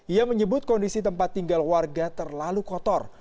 ia menyebut kondisi tempat tinggal warga terlalu kotor